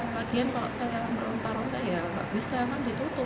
misalnya meronta ronta ya abisnya kan ditutup